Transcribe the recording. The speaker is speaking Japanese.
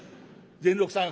善六さん